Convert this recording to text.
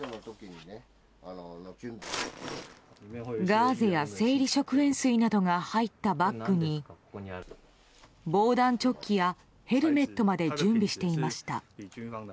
ガーゼや生理食塩水などが入ったバッグに防弾チョッキやヘルメットまで準備していました。